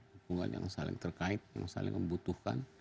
dukungan yang saling terkait yang saling membutuhkan